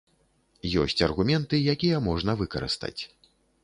Ёсць аргументы, якія можна выкарыстаць.